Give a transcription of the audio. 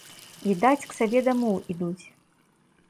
Відаць, к сабе дамоў ідуць.